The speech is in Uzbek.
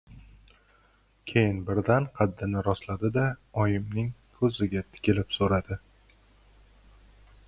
— Keyin birdan qaddini rostladi-da, oyimning ko‘ziga tikilib so‘radi.